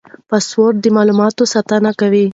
پاسورډ د معلوماتو ساتنه کوي.